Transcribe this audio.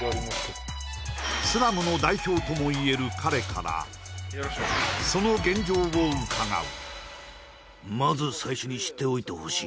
スラムの代表ともいえる彼からその現状を伺う